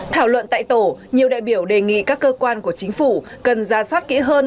thảo luận tại tổ nhiều đại biểu đề nghị các cơ quan của chính phủ cần ra soát kỹ hơn